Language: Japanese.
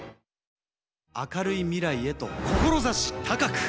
明るい未来へと志高く。